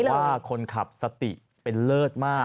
ว่าคนขับสติเป็นเลิศมาก